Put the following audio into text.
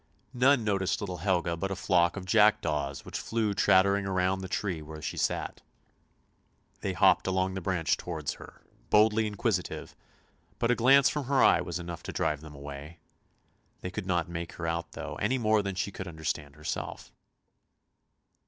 None noticed little Helga but a flock of jackdaws which flew chattering round the tree where she sat. They hopped along the branch towards her, boldly inquisitive, but a glance from her eye was enough to drive them away. They could not make her out though, any more than she could under stand herself.